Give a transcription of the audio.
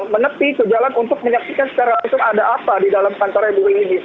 menepi ke jalan untuk menyaksikan secara langsung ada apa di dalam kantornya buruh ini